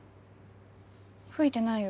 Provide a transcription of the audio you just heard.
吹いてないよ。